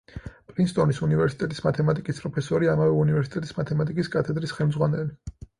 პრინსტონის უნივერსიტეტის მათემატიკის პროფესორი, ამავე უნივერსიტეტის მათემატიკის კათედრის ხელმძღვანელი.